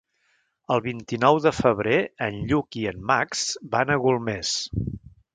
El vint-i-nou de febrer en Lluc i en Max van a Golmés.